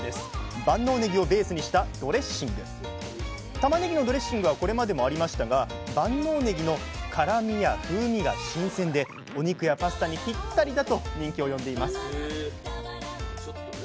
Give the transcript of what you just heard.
たまねぎのドレッシングはこれまでもありましたが万能ねぎの辛みや風味が新鮮でお肉やパスタにぴったりだと人気を呼んでいますへちょっとね